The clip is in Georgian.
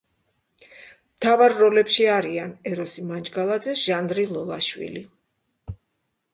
მთავარ როლებში არიან: ეროსი მანჯგალაძე, ჟანრი ლოლაშვილი.